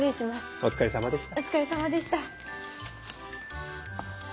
お疲れさまでした。